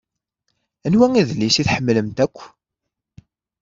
Anwa adlis i tḥemmlemt akk?